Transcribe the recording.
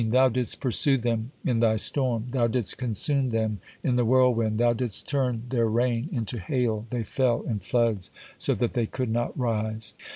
Thou didst pursue them in Thy storm, Thou didst consume them in the whirlwind, Thou didst turn their rain into hail, they fell in floods, so that they could not rise.